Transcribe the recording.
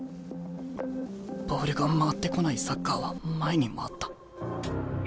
ボールが回ってこないサッカーは前にもあった。